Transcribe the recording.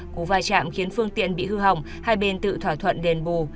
cú vai trạm khiến phương tiện bị hư hỏng hai bên tự thỏa thuận đền bù